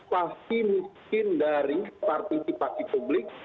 pasti mungkin dari partisipasi publik